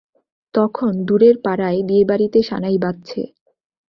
তখন দূরের পাড়ায় বিয়েবাড়িতে সানাই বাজছে।